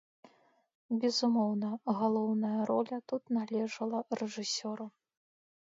Безумоўна, галоўная роля тут належала рэжысёру.